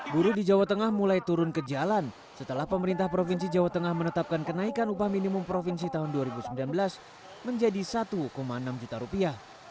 buruh di jawa tengah mulai turun ke jalan setelah pemerintah provinsi jawa tengah menetapkan kenaikan upah minimum provinsi tahun dua ribu sembilan belas menjadi satu enam juta rupiah